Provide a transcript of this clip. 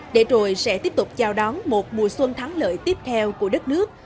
để rồi sẽ tiếp tục chào đón một mùa xuân thắng lợi tiếp theo của đất nước